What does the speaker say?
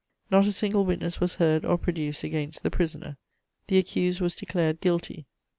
"Not a single witness was heard or produced against the prisoner. "The accused 'was declared guilty!'